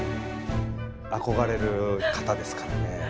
憧れる方ですからねやっぱり。